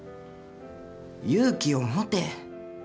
勇気を持て。